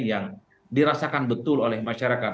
yang dirasakan betul oleh masyarakat